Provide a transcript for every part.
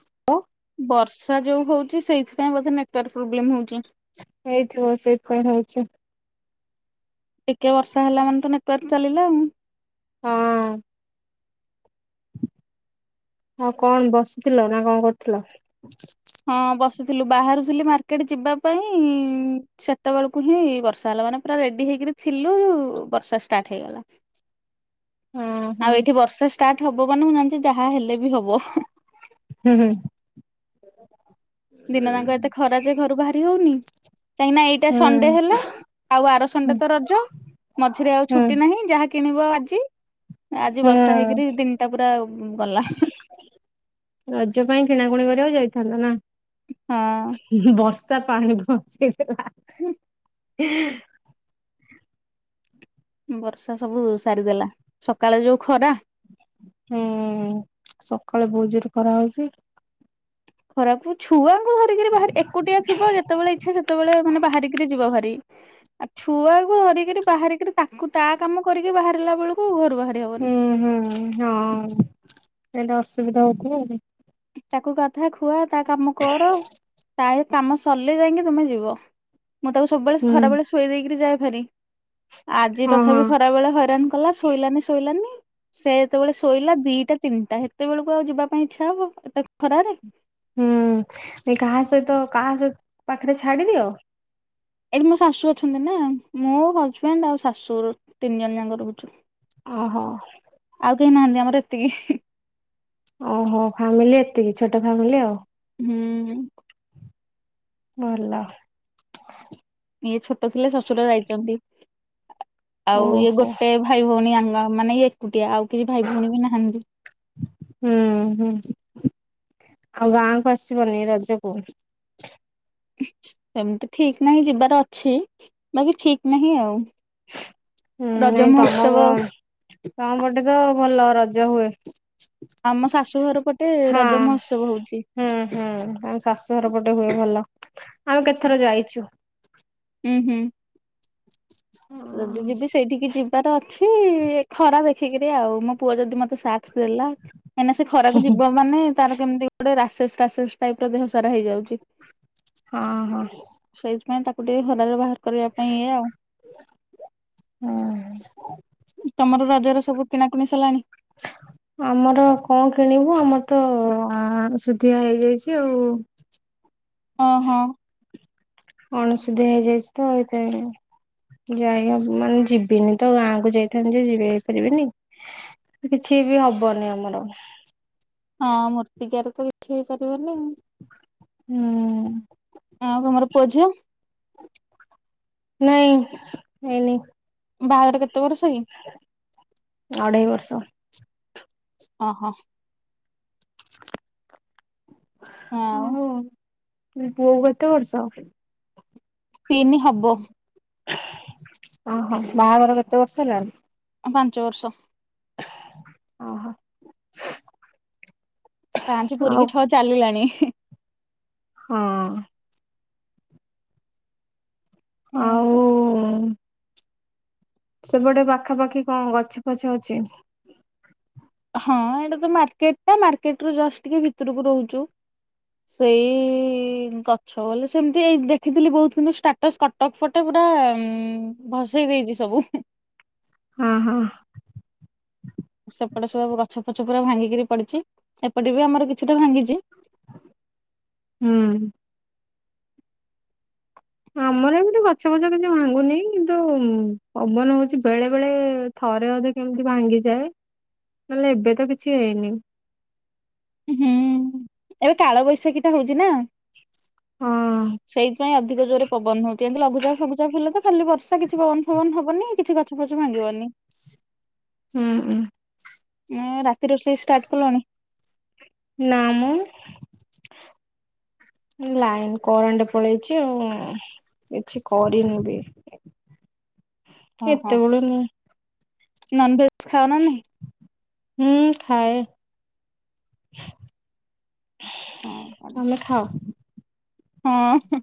[inaudible] ବର୍ଷା ଯଉ ହଉଚି ସେଇଥିପାଇଁ ବୋଧେ ନେଟୱାର୍କ ପ୍ରୋବ୍ଲେମ୍ ହଉଚି। ହେଇଥିବ ସେଇଥିପାଇଁ ହଉଛି। ଟିକେ ବର୍ଷା ହେଲା ମାନେ ତ ନେଟୱାର୍କ ଚାଲିଲା ଆଉ। ହଁ। ହଁ କଣ ବସିଥିଲ ନା କଣ କରୁଥିଲ? ହଁ ବସିଥିଲୁ। ବାହାରୁଥିଲି ମାର୍କେଟ ଯିବା ପାଇଁ ସେତେବେଳକୁ ହିଁ ବର୍ଷା ହେଲା ମାନେ ପୁରା ରେଡି ହେଇକିରି ଥିଲୁ ବର୍ଷା ଷ୍ଟାର୍ଟ ହେଇଗଲା। ହଁ ହଁ ଆଉ ଏଇଠି ବର୍ଷା ଷ୍ଟାର୍ଟ ହବ ମାନେ ମୁଁ ଜାଣିଛି ଯାହା ହେଲେ ବି ହବ। ହୁଁ ହୁଁ। ଦିନ ଯାକ ଏତେ ଖରା ଯେ ଘରୁ ବାହାରି ହଉନି। କାହିଁକି ନା ଏଇଟା ସଣ୍ଡେ ହେଲା ଆଉ ଆର ସଣ୍ଡେ ହୁଁ ତ ରଜ ମଝିରେ ଆଉ ହୁଁ ଛୁଟି ନାହିଁ ଯାହାକି କିଣିବ ଆଜି ଆଜି ହୁଁ। ବର୍ଷା ହେଇକିରି ଦିନିଟା ପୁରା ଗଲା। ରଜ ପାଇଁ କିଣାକୁଣି କରିବାକୁ ଯାଇଥାନ୍ତ ନା? ହଁ। ବର୍ଷା ପାଣି ବଞ୍ଚେଇଦେଲା। ହୁଁ। ଏହେଁ। ବର୍ଷା ସବୁ ସାରିଦେଲା ସକାଳେ ଯୋଉ ଖରା। ହୁଁ ସକାଳେ ବହୁତଜୋରେ ଖରା ହଉଛି। ଖରାକୁ ଛୁଆ। ମୁଁ ଧରିକରି ବାହାରି ଏକୁଟିଆ ଥିବ ଯେତେବେଳେ ଇଚ୍ଛା ସେତେବେଳେ ମାନେ ବାହାରିକିରି ଯିବ ଭାରି। ଆଉ ଛୁଆକୁ ଧରିକରି ବାହାରିକିରି ତାକୁ ତା କାମ କରିକି ବାହାରିଲା ବେଳକୁ ଘରୁ ବାହାରି ହବନି। ହୁଁ ହୁଁ ହଁ। ଏଇଟା ଅସୁବିଧା ହଉଥିବା ଆଉ। ତାକୁ ଗାଧ ଖୁଆ ତା କାମ କର ତା ଏ କାମ ସରିଲେ ଯାଇକି ତମେ ଯିବ। ମୁଁ ତାକୁ ସବୁବେଳେ ଖରାବେଳେ ଶୁଏଇ ଦେଇକିରି ଯାଏ ଭାରି। ଆଜି ହଁ ହଁ ତଥାପି ଖରା ବେଳେ ହଇରାଣ କଲା ଶୋଇଲାନି ଶୋଇଲାନି ସେ ଯେତେବେଳେ ଶୋଇଲା ଦିଟା ତିନିଟା ହେତେବେଳକୁ ଆଉ ଯିବା ପାଇଁ ଇଚ୍ଛା ହବ। ତାକୁ ଖରାରେ? ହୁଁ ଏ କାହା ସହିତ କାହା ସହିତ ପାଖରେ ଛାଡିଦିଅ। ଏଇଠି ମୋ ଶାଶୁ ଅଛନ୍ତି ନା ମୁଁ ହଜବେଣ୍ଡ ଆଉ ଶାଶୁ ତିନି ଜଣ ଯାକ ରହୁଛୁ। ଅହ। ଆଉ କେହି ନାହାନ୍ତି ଆମର ଏତିକି। ଓହୋ ଫ୍ୟାମିଲି ଏତିକି ଛୋଟ ଫ୍ୟାମିଲି ଆଉ। ହୁଁ ହୁଁ। ଭଲ। ଇଏ ଛୋଟ ଥିଲେ ଶଶୁର ଯାଇଛନ୍ତି ଆଉ ଇଏ ଓହୋ। ଗୋଟେ ଭାଇ ଭଉଣୀ ଆମ ମାନେ ଇଏ ଏକୁଟିଆ ଆଉ କେହି ଭାଇ ଭଉଣୀ ବି ନାହାନ୍ତି। ହୁଁ ହୁଁ ଆଉ ଗାଁକୁ ଆସିବନି ରଜକୁ। ସେମିତି ଠିକ୍ ନାହିଁ ଯିବାର ଅଛି ବାକି ଠିକ୍ ନାହିଁ ଆଉ। ହୁଁ ରଜ ନାଇଁ ତମ ମହୋତ୍ସବ ତମ ପଟେ ତ ଭଲ ରଜ ହୁଏ। ଆମ ଶାଶୁ ଘର ପଟେ ହଁ ରଜ ମହୋତ୍ସବ ହଉଛି। ହୁଁ ହୁଁ ଆମ ଶାଶୁଘର ପଟେ ହୁଏ ଭଲ ଆମେ କେତେଥର ଯାଇଛୁ। ହୁଁ ହୁଁ। ଯଦି ହଁ ଯିବି ସେଇଠିକି ଯିବି ତାର ଅଛି ଖରା ଦେଖିକିରି ଆଉ ମୋ ପୁଅ ଯଦି ମତେ ସାଥସ୍ ଦେଲା କାହିଁନା ସେ ଖରାକୁ ଯିବ ମାନେ ତାର କେମିତି ଗୋଟେ ରାସେସ କାସେସ ଟାଇପ ଦେହ ସାରା ହେଇଯାଉଛି। ହଁ ହଁ। ସେଇଥିପାଇଁ ତାକୁ ଟିକେ ଖରାରେ ବାହାର କରିବା ପାଇଁ ଇଏ ଆଉ। ହଁ ହଁ। ତମର ରଜର ସବୁ କିଣାକୁଣି ସରଲାଣି? ଆମର କଣ କିଣିବୁ ଆମର ତ ଅ ଅ ଆଁ ଆଁ ଅଣସୁଧିଆ ହେଇଯାଇଛି ଆଉ। ହଁ ହଁ। ଅଣସୁଧିଆ ହେଇଯାଇଚି ତ ହେଇଥିପାଇଁ। ଯାଇବାକୁ ମାନେ ଯିବିନି ତ ଗାଁ କୁ ଯାଇଥାନ୍ତି ଯେ ଯେହେତୁ ଯିବିନି କିଛି ବି ହବନି ଆମର। ହଁ ମୂର୍ତ୍ତିକିଆରେ ତ କିଛି କରିବନି ଆଉ। ହୁଁ ଆଉ ତମର ପୁଅ ଝିଅ? ନାଇଁ ହେଇନି। ବାହାଘର କେତେ ବର୍ଷ କି? ଅଢ଼େଇ ବର୍ଷ। ଅଁ ହଁ। ହଁ ଆଉ ହୁଁ ପୁଅକୁ କେତେ ବର୍ଷ? ତିନି ହବ। ଓହୋ ବାହାଘର କେତେ ବର୍ଷ ହେଲାଣି? ପାଞ୍ଚ ବର୍ଷ। ଅହ। ପଞ୍ଚେ ଆଉ ପୁରିକିି ଛଅ ଚାଲିଲାଣି ହିଁ। ହଁ। ଆଉ ଉ ଉ ମ୍ ସେପଟେ ପାଖାପାଖି କଣ ଗଛ ଫଛ ଅଛି? ହଁ ଏଇଟା ତ ମାର୍କେଟ ଟା ମାର୍କେଟ ରୁ ଜଷ୍ଟ ଟିକେ ଭିତରକୁ ରହୁଚୁ। ସେଇ ଇ ଇ ଇ ଇ ଗଛ ବଲେ ସେମତି ଏଇ ଦେଖିଥିଲି ବହୁତ ଦିନୁ ଷ୍ଟା ସ୍କଟକ ଫଟେ ପୁରା ଉଁ ଉଁ ଉଁ ଭସେଇ ଦେଇଚି ସବୁ ହୁଁ। ହଁ ହଁ। ସେପଟେ ସବୁ ଗଛ ଫଛ ପୁରା ଭାଙ୍ଗିକିରି ପଡିଛି ଏପଟେ ବି ଆମର କିଛିଟା ଭାଙ୍ଗିଚି। ହୁଁ। ଆମର ଏମତି ଗଛ ଫଛ କିଛି ଭାଙ୍ଗୁନି କିନ୍ତୁ ପବନ ହଉଚି ବେଳେ ବେଳେ ଏ ଏ ଥରେ ଅଧେ କେମତି ଭାଙ୍ଗିଯାଏ ନହେଲେ ଏବେ ତ କିଛି ହେଇନି। ଉଁହୁଁ ଏବେ କାଳବୈଶାଖୀ ଟା ହଉଚି ନା। ହଁ। ସେଇଥପାଇଁ ଅଧିକ ଜୋରେ ପବନ ହଉଚି ଏମତି ଲଘୁଚାପ ଫଘୁଚାପ ହେଲେ ତ ଖାଲି ବର୍ଷା କିଛି ପବନ ଫବନ ହବନି କିଛି ଗ ଗଛ ଫଛ ଭାଙ୍ଗିବନି। ହୁଁ। ଏଁ ରାତି ରୋଷେଇ ଷ୍ଟାର୍ଟ କଲଣି? ନା ମ। ଲାଇନ୍ କରେଣ୍ଟ ପଳେଇଚି ଆଉ କିଛି କରିନୁ ବି। ହଁ ହଁ ଏତେବେଳେ ମୁଁ ନନ୍ ଭେଜ ଖାଅନା ନାହିଁ? ହୁଁ ଖାଏ। ହଁ କଣ ତମେ ଖାଅ ହଁ।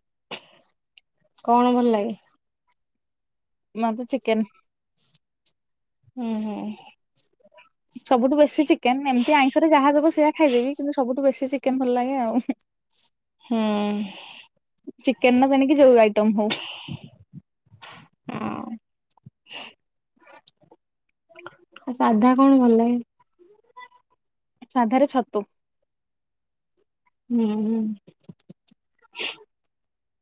କଣ ଭଲ ଲାଗେ? ମତେ ଚିକେନ୍ ହୁଁ ହୁଁ। ସବୁଠୁ ବେଶୀ ଚିକେନ ଏମିତି ଆଇଁଷରେ ଯାହା ଦେବ ସେଇୟଆ ଖାଇଦେବି କିନ୍ତୁ ସବୁଠୁ ବେଶୀ ଚିକେନ ଭଲ ଲାଗେ ଆଉ। ଚିକେନ ର ତେଣିକି ଯୋଉ ଆଇଟମ ହଉ ହୁଁ। ହଁ। ଆଉ ସାଧା କଣ ଭଲ ଲାଗ? ସାଧାରେ ଛତୁ। ହୁଁ ହଁ। ।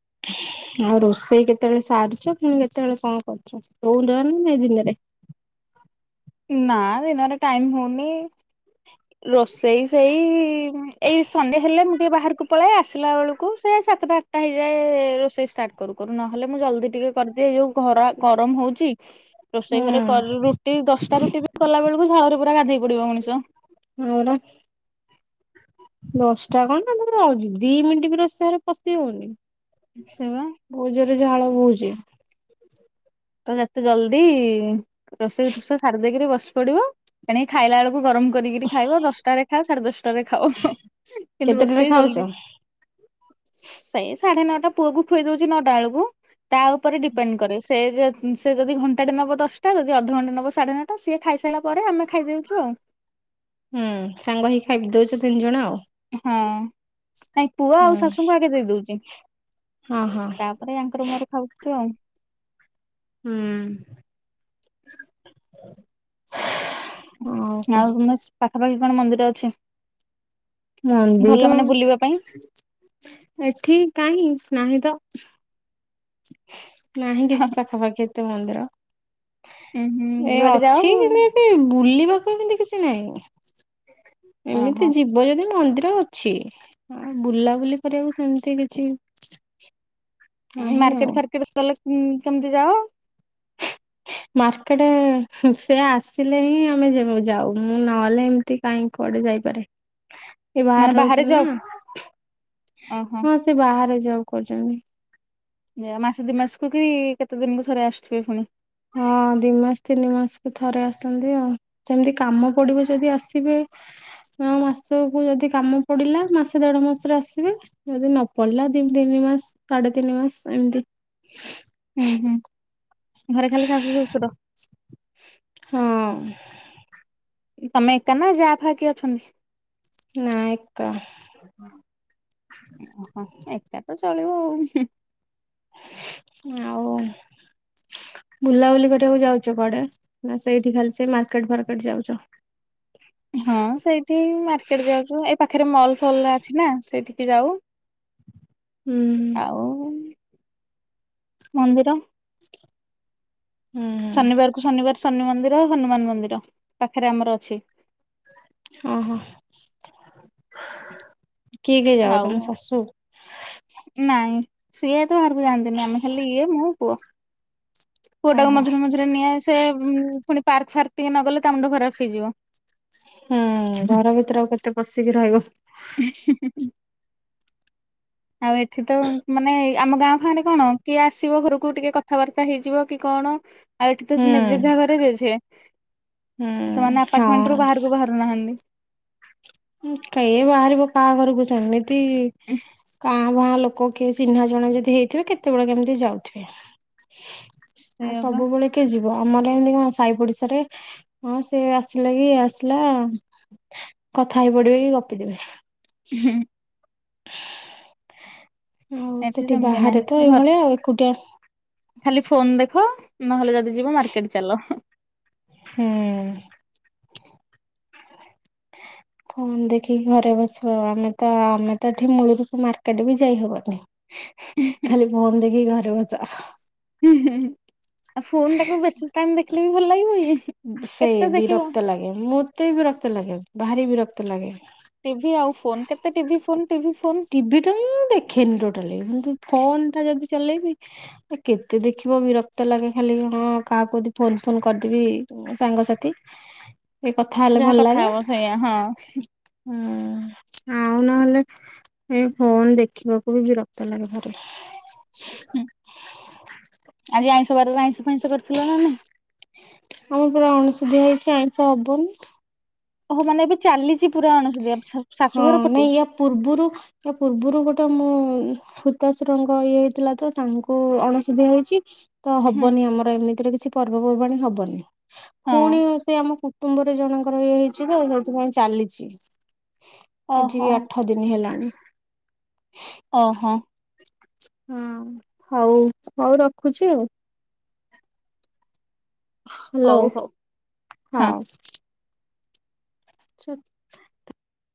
ଆଉ ରୋଷେଇ କେତେବେଳେ ସାରଛ କିୁ କେତେବେଳେ କଣ କରୁଛ କୋଉ ଦାନ ଏ ଦିନରେ ନା ଦିନର ଟାଇମ ହଉନି। ରୋଷେଇ ସେଇ ଏଇ ସଣ୍ଡେ ହେଲେ ମୁଁ ଟିକେ ବାହାରକୁ ପଳେଇ ଆସି ିଲ ବଳକୁ ସେ ସାତଟା ଆଠଟା ହେଇଯାଏ ରୋଷେଇ ଷ୍ଟାର୍ଟ କରୁ କରୁ ନହେଲେ ମୁଁ ଜଲ୍ଦି ଟିକେ। କରିଦିଏ ଯୋଉ ଘରା ଗରମ ହଉଛି। ହୁଁ ରୋଷେଇ ଘରେ ରୁଟି ଦଶଟା ରୁଟି ବି କଲା ବବେଳକୁ ାଳରେ ପୁରା ଗାଧେଇ ପଡିବ ମଣିଷ। ହ ପରା। ଦଶଟା କଣ ରହୁଛି ଦି ମିନିଟ୍ ବି ରସେଇାରେ ପଶି ହଉନି। ଆ ସେବା। ବହୁତ ଜୋରରେ ଝାଳ ବୋହୁଛି। ତ ଯେତେ ଜଲ୍ଦି ରୋଷେଇ ଠୋଷ ସାରି ଦେଇେଇକରି ବସି ପଡିବ ସେଣିକ ଖାଇଲା ବେଳକୁ ଗରମ। କରିକିରି ଖାଇବ ଦଶଟାରେ ଖାଅ ସାଢେ ଦଶଟାରେ ଖାଅ କିନ୍ତୁ କେତେଟାରେ ରୋଷେଇ ଖାଉଛ? ଜଲଦି। ସେଇ ସାଢେ ନଅଟା ପୁଅକୁ ଖୁଇ ଦଉଛି ନଅଟା ବେଳକୁ ତା ଉପରେ ଡିପେଣ୍ଡ କରେ ସେ ଯ। ସେ ଯଦି ଘଣ୍ଟାେ ନବ ଦଶଟା ଯଦି ଅଧଘଣ୍ଟା ନେବ ସାଢେ ନଅଟା ସିଏ ଖାଇସାରିଲା ପରେମେ ଖାଇଦଉଛୁ ଆଉ। ହୁଁ ସାଙ୍ଗ ହେଇ ଖାଇି ଦଉଛ ତିନି ଜଣ ଆଉ। ହଁ ନାଇଁ ପୁଅ ଆଉ ହୁଁ ଶାଶୁଙ୍କୁ ଆଗେ ଦେଇ ଦଉଛି ହଁ ହଁ ତା ୟାଙ୍କର ମୋର ଖାଉଥିବ ଆଉ। ହୁଁ। ଆଉ ତମ ପାଖାପାଖି କଣ ମନ୍ଦିର ଅଛି? ଭଲ ମନ୍ଦିର ମାନେ ବୁଲିବା ପାଇଁ? ଏଠି କାହିଁ ନାହିଁ ତ। ନାହିଁ କିଛି ପାଖାପାଖି ଏତେ ମନ୍ଦିର। ଉୁଁ ହୁଁ ଏ ଯୁଆଡେ ଯାଅ ଅଛି କେମତି ବୁଲିବାକୁ ଏମିତି କିଛି ନହିଁ ଓହୋ ଏମିତି ଯିବ। ଯିବ ଯଦି ମନ୍ଦିର ଅଛି ଆଉ ବୁଲାବୁଲି କରିବାକୁ ସେମିତି କିଛି। ନାହିଁ ଆଉ। ମାର୍କେଟ ଫାର୍କେଟ ଗଲେ କେମିତି ଯାଅ? ମାର୍କେଟ ସେ ଆସିଲେ ହିଁ ଆମେ ଯାଉ ମୁଁ ନହେଲେ ଏମତି। କାହିଁି କୁଆଡେ ଯାଇପାରେ। । ଏ ବାହାରେ ରହୁଛନ୍ତି ନା ଓହୋ। ହଁ ସେ ବାହାରେ ଯବ କରୁଛନ୍ତି। ଯ ମାସ ଦି ମାସକୁ କି କେତେ ଦିନକୁ ଥରେ ଆସୁଥିବେ ପୁଣି। ହଁ ଦି ମାସ ତିନି ମାସକୁ ଥରେ ଆସନ୍ତି ଆଉ। ସେମିତି କାମ ପଡିବ ଯଦି ଆସିବେ। ଆ ମାସକୁ ଯଦି କାମ ପଡିଲା ମାସେ ଦେଢ ମାସରେ ଆସିବେ। ଯଦି ନ ପଡିଲା ଦତି ତିନି ମାସ ସାଢେ ତିନି ମାସ ଏମିତି ହୁଁ-ହୁଁ ଘରେ ଖାଲି ଶାଶୁ ଶ୍ୱଶୁର? ହଁ। ତମେ ଏକା ନା ଜା ଫା କିଏ ଅଛନ୍ତି? ନା ଏକା। ହଁ ଓହୋ, ଏକା ତ ଚଳିବ ଆଉ ହୁଁ। ଆଉ ବୁଲାବୁଲି କରିବାକୁ ଯାଉଚ କୁଆଡେ ନା ସେଇଠି ଖାଲି ସେ ମାର୍କେଟ ଫାର୍କେଟ ଯାଉଚ? ହଁ ସେଇଠି ମାର୍କେଟ୍ ଯାଉଚୁ, ଏଇ ପାଖେରେ ମଲ୍ ଫଲ୍ ଅଛି ନା ସେଇଠିକି ଯାଉ। ହୁଁ। ଆଉ ମନ୍ଦିର ହୁଁ-ହୁଁ। ଶନିବାରକୁ ଶନିବାର ଶନି ମନ୍ଦିର ହନୁମାନ୍ ମନ୍ଦିର ପାଖେରେ ଆମର ଅଛି। ଅହ, କିଏ-କିଏ ଯାଅ ଆଉ ତମ ଶାଶୁ? ନାଇଁ ସିଏ ତ ବାହାରକୁ ଯାଆନ୍ତିନି, ଆମେ ଖାଲି ଇଏ, ମୁଁ, ପୁଅ ପୁଅଟାକୁ ଓହୋ ମଝିରେ-ମଝିରେ ନିଏ, ସେ ପୁଣି ପାର୍କ ଫାର୍କ ଟିକେ ନ ଗଲେ ତା ମୁଣ୍ଡ ଖରାପ୍ ହେଇଯିବ। ହୁଁ ଘର ଭିତେରେ ଆଉ କେତେ ପଶିକି ରହିବ? ହୁଁ-ହୁଁ-ହୁଁ। ଆଉ ଏଠି ତ ମାନେ ଆମ ଗାଁ ଫାଆଁ ରେ କଣ କିଏ ଆସିବ ଘରକୁ ଟିକେ କଥାବାର୍ତ୍ତା ହେଇଯିବ କି କଣ। ଆଉ ହୁଁ ଏଠି ଜେଝା ଘରେ ଜେଝେ, ହୁଁ ସେମାନେ ଆପାର୍ଟମେଣ୍ଟରୁୁ ହଁ ବାହାରକୁ ବାହାରୁ ନାହାନ୍ତି। କେ ବାହାରିବ କାହା ଘରକୁ ସେମିତି କା ଭଁ ଲୋକ କି ଚିହ୍ନା ଜଣା ଯଦି ହେଇଥିବେ କେତେବେଳେ କେମିତି ଯାଉଥିବେ। ଆଉ ସେଇଆ ପା ସବୁବେଳେ କିଏ ଯିବ, ଆମର ଏମିତି କଣ ସହି ପଡିଶାରେ ହଁ ସେ ଆସିଲା କି ଆସିଲା କଥା ହେଇ ପଡିବେ କି ଗପିଦେବେ। ହୁଁ। ଆଉ ଏଠି ସେଠି ସେମିତି ବାହାରେ ନାହିଁ ତ ଘ ଏଇଭଳିଆ ଆଉ ଏକୁଟିଆ ଖାଲି ଫୋନ ଦେଖ, ନହେଲେ ଯଦି ଯିବ ମାର୍କେଟ୍ ଚାଲ। ହୁଁ। ଫୋନ୍ ଦେଖିକି ଘରେ ବସିବ ଆମେ ତ ଆମେ ତ ଏଠି ମୁଳୁରୁ ମାର୍କେଟ୍ ବି ଯାଇ ହବନି। [inaudible] ଖାଲି ଫୋନ୍ ଦେଖି ଘରେ ବସ। ହୁଁ-ହୁଁ-ହୁଁ ଆଉ ଫୋନ୍ ଟାକୁ ବେଶୀ ଟାଇମ୍ ଦେଖିଲେ ବି ଭଲ୍ ଲାଗିବ କି, ଉଁହୁଁ। ସେ ବିରକ୍ତ ଲାଗେ, ମୋତେ ବିରକ୍ତ ଲାଗେ ଭାରି ବିରକ୍ତ ଲାଗେ। ଟିଭି ଆଉ ଫୋନ୍, କେତେ ଟିଭି ଫୋନ୍ ଟିଭି ତ ମୁଁ ଦେଖେନି ଟୋଟାଲି, କିନ୍ତୁ ଫୋନ୍ ଟା ଯଦି ଚଲେଇବି କେତେ ଦେଖିବ ବିରକ୍ତ ଲାଗେ ଖାଲି, ହଁ କାହାକୁ ଯଦି ଫୋନ୍-ଫୋନ୍ କରିଦେବି ସାଙ୍ଗସାଥି। ଟିକେ କଥା ହେଲେ ଯାହା ଭଲ କଥା ଲାଗେ ହବ ସେଇାଆ ହଁ। ଆଉ ନହେଲେ ଏ ଫୋନ୍ ଦେଖିବାକୁ ବି ବିରକ୍ତ ଲାଗେ ଘରେ। ଆଜି ଆଇଁଷ ବାରରେ ଆଇଁଷ ଫାଇଁସ କରିଥିଲ ନା ନାଇଁ? ଆମର ପୁରା ଅଣଷୁଧିଆ ହେଇଛି ଆଇଁଷ ହବନି। ଓହୋ, ମାନେ ଏବେ ଚାଲିଛି ପୁରା ଅଣସୁଧିଆ ଶାଶୁଘର ପଟୁ? ପୂର୍ବୁରୁ ଆ ପୂର୍ବୁରୁ ଗୋଟା ମୋ ଖୁତାଶୁରଙ୍କ ଇଏ ହେଇଥିଲା ତ ତାଙ୍କୁ ଅଣସୁଧିଆ ହେଇଚି। ତ ହୁଁ ହବନି। ଆମର ଏମିତିରେ କିଛି ପର୍ବପର୍ବାଣି ହବନି। ପୁଣି ହଁ ସେ ଆମ କୁଟୁମ୍ବ ଗୋଟେ ଜଣଙ୍କର ଇଏ ହେଇଛି ତ। ସେଇଥିପାଇଁ ଚାଲିଚି। ଓହୋ ଆଜିକି ଆଠ ଦିନ ହେଲାଣି। ଓହୋ। ହଁ। ହଉ ହଉ ରଖୁଛି ଆଉ। ହାଲୋ। ହଉ ହଉ ହଁ। ଛୋ